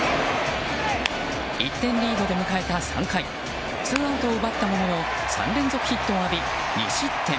１点リードで迎えた３回ツーアウトを奪ったものの３連続ヒットを浴び２失点。